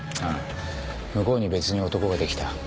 ああ向こうに別に男ができた。